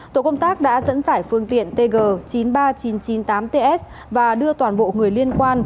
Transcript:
tổ công tác đã dẫn giải phương tiện tg chín mươi ba nghìn chín trăm chín mươi tám ts và đưa toàn bộ người liên quan